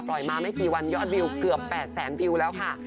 มาไม่กี่วันยอดวิวเกือบ๘แสนวิวแล้วค่ะ